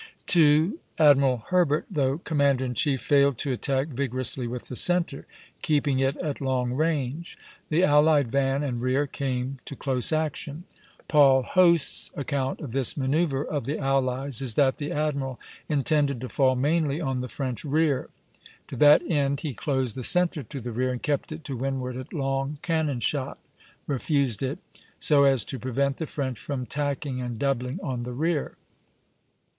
2. Admiral Herbert, though commander in chief, failed to attack vigorously with the centre, keeping it at long range. The allied van and rear came to close action (Plate VI., A). Paul Hoste's account of this manoeuvre of the allies is that the admiral intended to fall mainly on the French rear. To that end he closed the centre to the rear and kept it to windward at long cannon shot (refused it), so as to prevent the French from tacking and doubling on the rear.